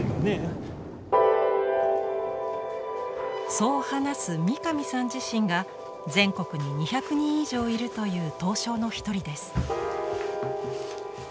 そう話す三上さん自身が全国に２００人以上いるという刀匠の一人です。